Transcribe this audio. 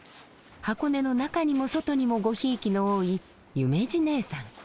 箱根の中にも外にもご贔屓の多い夢路ねえさん。